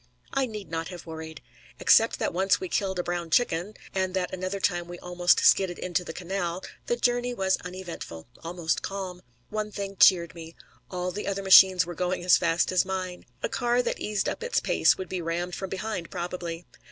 I need not have worried. Except that once we killed a brown chicken, and that another time we almost skidded into the canal, the journey was uneventful, almost calm. One thing cheered me all the other machines were going as fast as mine. A car that eased up its pace would be rammed from behind probably.